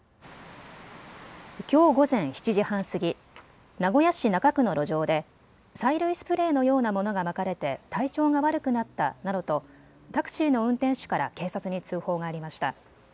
きょう午前７時半過ぎ、名古屋市中区の路上で催涙スプレーのようなものがまかれて体調が悪くなったなどとタクシーの運転手から警察に通報がありました。